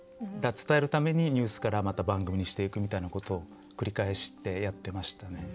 伝えるためにニュースからまた番組にしていくみたいなことを繰り返してやってましたね。